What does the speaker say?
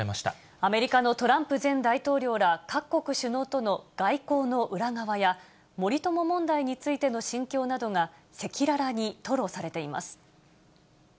アメリカのトランプ前大統領ら、各国首脳との外交の裏側や、森友問題についての心境などが、せきららに吐露されています。